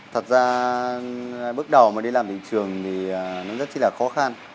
thật ra bước đầu mà đi làm thị trường thì nó rất là khó khăn